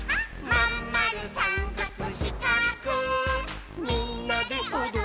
「まんまるさんかくしかくみんなでおどっちゃおう」